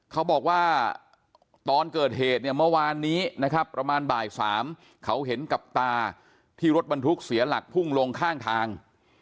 เขาบอกว่าตอนเกิดเหตุเนี่ยเมื่อวานนี้นะครับประมาณบ่าย๓เขาเห็นกับตาที่รถบรรทุกเสียหลักพุ่งลงข้างทาง